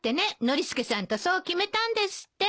ノリスケさんとそう決めたんですって。